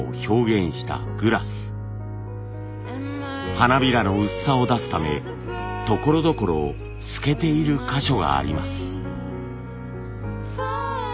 花びらの薄さを出すためところどころ透けている箇所があります。